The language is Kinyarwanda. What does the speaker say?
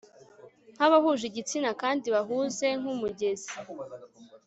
Nkabahuje igitsina kandi bahuze nkumugezi